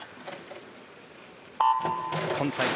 今大会